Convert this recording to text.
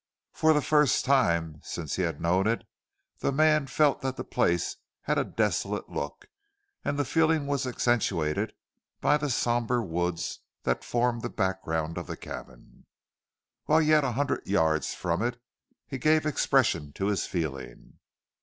For the first time since he had known it, the man felt that the place had a desolate look; and the feeling was accentuated by the sombre woods that formed the background of the cabin. Whilst yet a hundred yards from it he gave expression to his feeling.